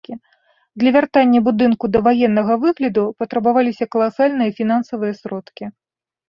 Для вяртання будынку даваеннага выгляду патрабаваліся каласальныя фінансавыя сродкі.